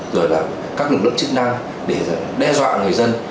rồi là các lực lượng chức năng để đe dọa người dân